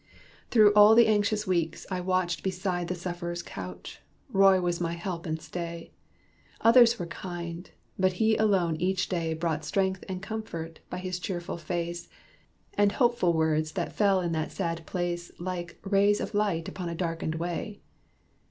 Through all the anxious weeks I watched beside The suff'rer's couch, Roy was my help and stay; Others were kind, but he alone each day Brought strength and comfort, by his cheerful face, And hopeful words, that fell in that sad place Like rays of light upon a darkened way.